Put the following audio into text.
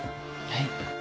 はい。